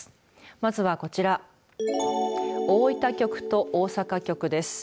まずはこちら大分局と大阪局です。